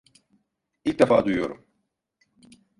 İlk defa duyuyorum.